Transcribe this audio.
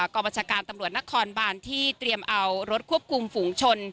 กรรมชาการตำรวจนครบานที่เตรียมเอารถควบคุมฝูงชน